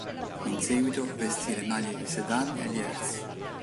In seguito, vestì le maglie di Sedan e Lierse.